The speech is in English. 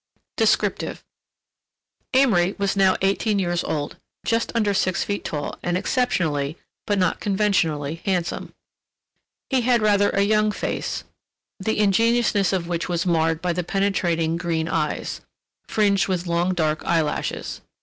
DESCRIPTIVE Amory was now eighteen years old, just under six feet tall and exceptionally, but not conventionally, handsome. He had rather a young face, the ingenuousness of which was marred by the penetrating green eyes, fringed with long dark eyelashes.